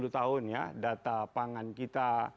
sepuluh tahun ya data pangan kita